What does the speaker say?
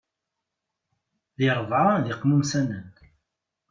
Di rebɛa d iqmumsanen.